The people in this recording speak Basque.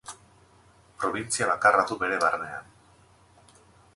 Probintzia bakarra du bere barnean.